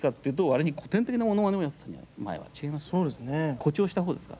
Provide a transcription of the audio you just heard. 誇張したほうですか？